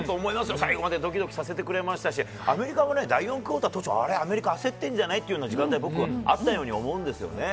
最後までドキドキさせてくれましたし、アメリカの第４クオーター、焦ってるんじゃない？という時間があったと思うんですよね。